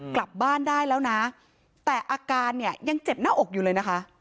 กลับบ้านได้แล้วนะแต่อาการเนี่ยยังเจ็บหน้าอกอยู่เลยนะคะ